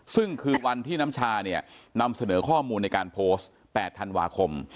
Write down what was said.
ซึ่งคือวันที่น้ำชาเนี่ยนำเสนอข้อมูลในการโพสต์๘ธันวาคม